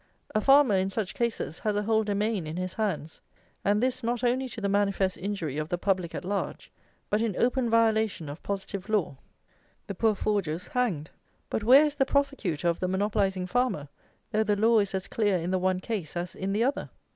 A farmer, in such cases, has a whole domain in his hands, and this not only to the manifest injury of the public at large, but in open violation of positive law. The poor forger is hanged; but where is the prosecutor of the monopolizing farmer, though the law is as clear in the one case as in the other?